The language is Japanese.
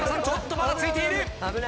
ちょっとばたついている。